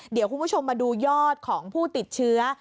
เดี๋ยวคุณผู้ชมมาดูยอดของผู้ติดเชื้อ